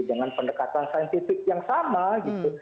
dengan pendekatan saintifik yang sama gitu